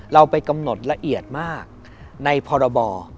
เราไปกำหนดละเอียดมากในพรบ